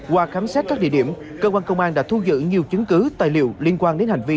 qua khám xét các địa điểm cơ quan công an đã thu giữ nhiều chứng cứ tài liệu liên quan đến hành vi